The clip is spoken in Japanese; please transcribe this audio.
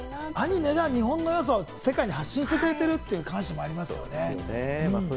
アニメが日本の良さを世界に発信してくれているという話もありますね。